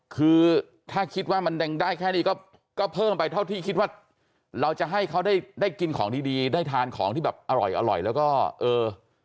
คือถ้าคิดว่ามันยังได้แค่นี้ก็เพิ่มไปเท่าที่คิดว่าเราจะให้เขาได้ได้กินของดีดีได้ทานของที่แบบอร่อยอร่อยแล้วก็เออ